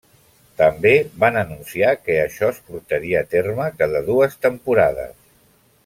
També van anunciar que això es portaria a terme cada dues temporades.